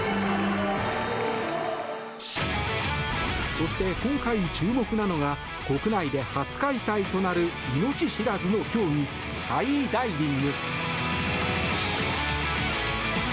そして今回注目なのが国内で初開催となる命知らずの競技ハイダイビング。